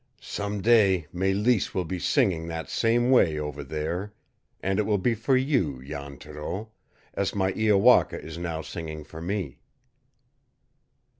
"Some day Mélisse will be singing that same way over there; and it will be for you, Jan Thoreau, as my Iowaka is now singing for me!"